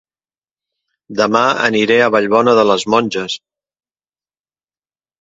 Dema aniré a Vallbona de les Monges